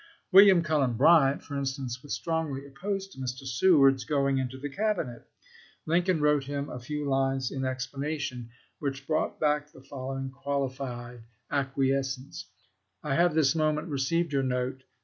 William Cullen Bryant, for instance, was strongly opposed to Mr. Seward's going into the Cabinet. Lincoln wrote him a few lines in explanation, which brought back the following qualified acquiescence :" I have this moment received your note.